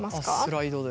スライドで。